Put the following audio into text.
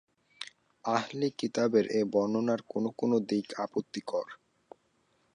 আহলি কিতাবদের এ বর্ণনার কোন কোন দিক আপত্তিকর।